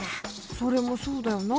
それもそうだよな。